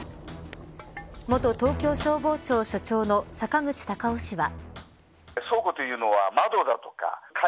元東京消防庁所長の坂口隆夫氏は。